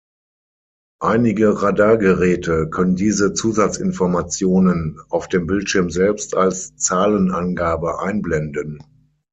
Einige Radargeräte können diese Zusatzinformationen auf dem Bildschirm selbst als Zahlenangabe einblenden.